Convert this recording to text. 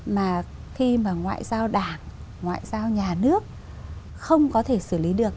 mà khi mà ngoại giao đảng ngoại giao nhà nước không có thể xử lý được